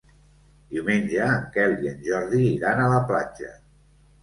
Diumenge en Quel i en Jordi iran a la platja.